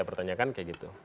pertanyaan seperti itu